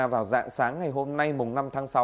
vào dạng sáng ngày hôm nay năm tháng sáu